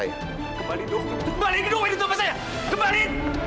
kembali dong kembali dong main untuk saya kembali